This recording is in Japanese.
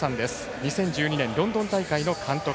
２０１２年ロンドン大会の監督。